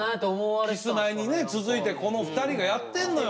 キスマイにね続いてこの２人がやってんのよ。